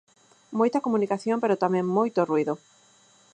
Moita comunicación pero tamén moito ruído.